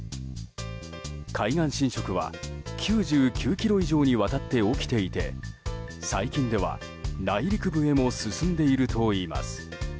海岸浸食は９９ｋｍ以上にわたって起きていて最近では内陸部へも進んでいるといいます。